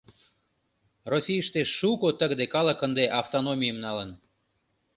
Российыште шуко тыгыде калык ынде автономийым налын.